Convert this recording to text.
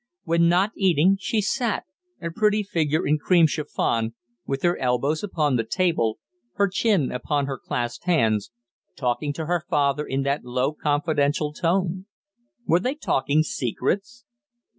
When not eating, she sat, a pretty figure in cream chiffon, with her elbows upon the table, her chin upon her clasped hands, talking to her father in that low, confidential tone. Were they talking secrets?